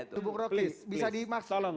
tuh bu pro bisa dimaksud